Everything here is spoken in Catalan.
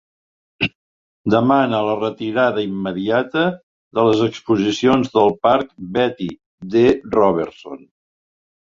Demana la retirada immediata de les exposicions del parc Bettie D. Robertson.